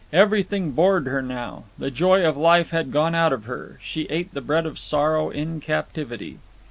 Everything bored her now. The joy of life had gone out of her. She ate the bread of sorrow in captivity.